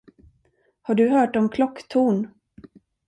Har du hört om klocktorn?